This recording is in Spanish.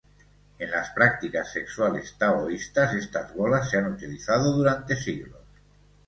En las prácticas sexuales taoístas estas bolas se han utilizado durante siglos.